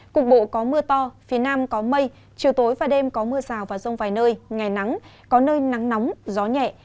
cục bộ có mưa to phía nam có mây chiều tối và đêm có mưa rào và rông vài nơi ngày nắng có nơi nắng nóng gió nhẹ